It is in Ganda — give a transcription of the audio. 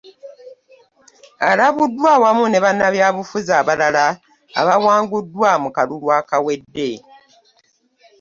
Alabuddwa awamu ne bannabyabufuzi abalala abaawanguddwa mu kalulu akawedde